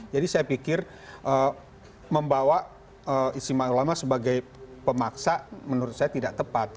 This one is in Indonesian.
jadi saya pikir membawa istimewa ulama sebagai pemaksa menurut saya tidak tepat